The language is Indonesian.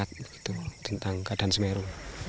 untuk masyarakat gitu tentang keadaan semeru